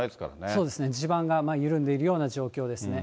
そうですね、地盤が緩んでいるような状況ですね。